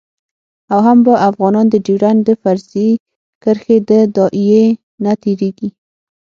او هم به افغانان د ډیورند د فرضي کرښې د داعیې نه تیریږي